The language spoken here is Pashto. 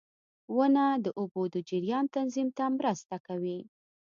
• ونه د اوبو د جریان تنظیم ته مرسته کوي.